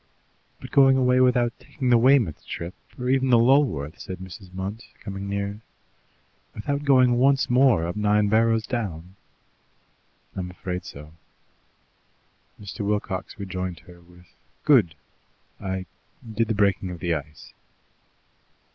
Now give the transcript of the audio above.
"But going away without taking the Weymouth trip, or even the Lulworth?" said Mrs. Munt, coming nearer. "Without going once more up Nine Barrows Down?" "I'm afraid so." Mr. Wilcox rejoined her with, "Good! I did the breaking of the ice."